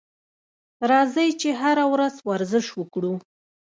راځئ چې هره ورځ ورزش وکړو.